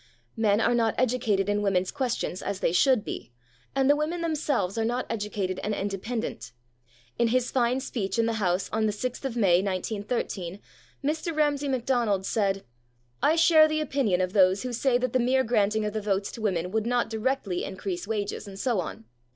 Men are not educated in women's questions as they should be, and the women themselves are not educated and independent. In his fine speech in the House on 6th May 1913, Mr. Ramsay Macdonald said: "I share the opinion of those who say that the mere granting of the votes to women would not directly increase wages, and so on.